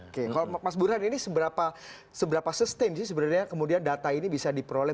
oke kalau mas burhan ini seberapa sustain sih sebenarnya kemudian data ini bisa diperoleh